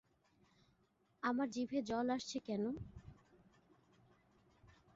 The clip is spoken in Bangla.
আমার জিভে জল আসছে কেন?